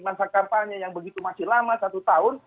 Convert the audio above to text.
masa kampanye yang begitu masih lama satu tahun